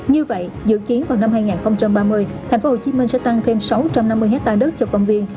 như vậy dự kiến vào năm hai nghìn ba mươi thành phố hồ chí minh sẽ tăng thêm sáu trăm năm mươi hectare đất cho công viên